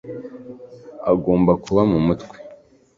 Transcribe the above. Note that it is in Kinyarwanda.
agomba kuba mu mutwe